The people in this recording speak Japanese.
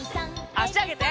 あしあげて。